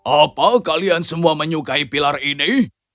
apa kalian semua menyukai pilar ini